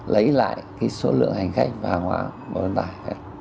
lấy lại cái số lượng hành khách và hàng hóa vận tải